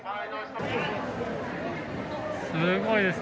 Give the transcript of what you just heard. すごいですね。